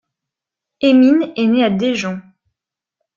Haemin est né à Daejeon.